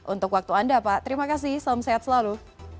untuk waktu anda pak terima kasih salam sehat selalu